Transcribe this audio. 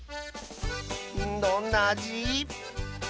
どんなあじ？